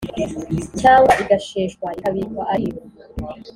cyangwa igasheshwa ikabikwa ari ifu,